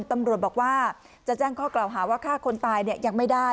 ตำรวจบอกว่าจะแจ้งข้อกล่าวหาว่าฆ่าคนตายยังไม่ได้